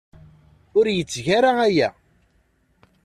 Ur yetteg ara aya.